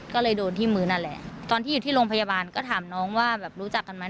ก็อยู่ที่โรงพยาบาลก็ถามน้องว่ารู้จักกันไหม